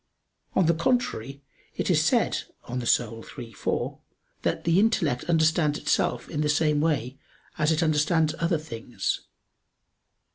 On the contrary, It is said (De Anima iii, 4) that "the intellect understands itself in the same way as it understands other things."